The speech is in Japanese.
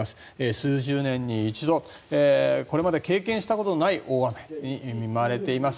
数十年に一度、これまで経験したことのない大雨に見舞われています。